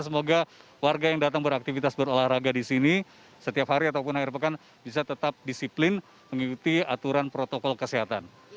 semoga warga yang datang beraktivitas berolahraga di sini setiap hari ataupun akhir pekan bisa tetap disiplin mengikuti aturan protokol kesehatan